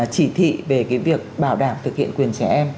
chỉ thị về cái việc bảo đảm thực hiện quyền trẻ em